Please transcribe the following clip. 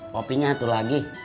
kopinya satu lagi